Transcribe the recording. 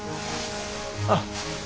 あっ。